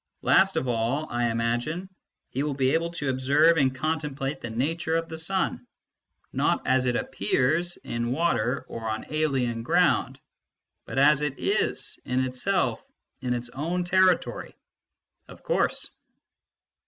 Last of all, I imagine, he will be able to observe and 6 MYSTICISM AND LOGIC contemplate the nature of the sun, not as it appears in water or on alien ground, but as it is in itself in its own territory. Of course.